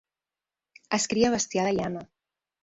Es cria bestiar de llana.